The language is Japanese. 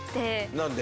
何で？